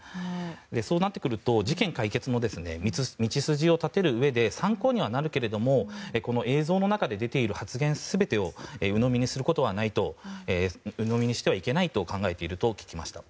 そうなってくると事件解決の道筋を立てるうえで参考にはなるけれども映像の中で出ている発言全てをうのみにしてはいけないと考えていると聞きました。